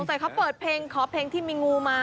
ใส่เขาเปิดเพลงขอเพลงที่มีงูมา